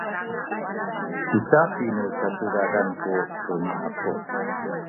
i capi nu cacudadan ku luma’ aku